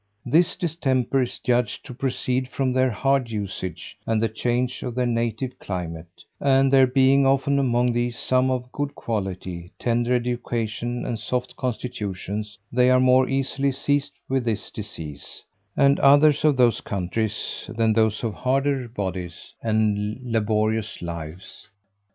This distemper is judged to proceed from their hard usage, and the change of their native climate; and there being often among these some of good quality, tender education, and soft constitutions, they are more easily seized with this disease, and others of those countries, than those of harder bodies, and laborious lives.